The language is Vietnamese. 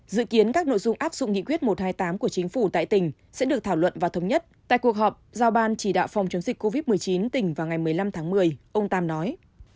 dự kiến các nội dung áp dụng nghị quyết một trăm hai mươi tám của chính phủ tại tỉnh sẽ được thảo luận và thống nhất tại cuộc họp giao ban chỉ đạo phòng chống dịch covid một mươi chín tỉnh vào ngày một mươi năm tháng một mươi ông tam nói